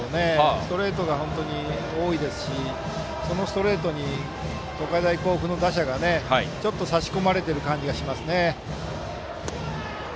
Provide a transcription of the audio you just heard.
ストレートが多いですしそのストレートに東海大甲府の打者が差し込まれている感じですね。